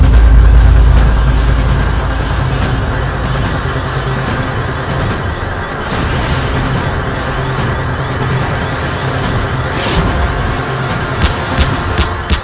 pada saat kesimpulan kau menangoticuckland aku